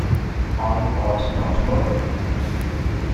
I ought not to murmur.